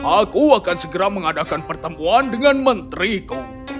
aku akan segera mengadakan pertemuan dengan menteriku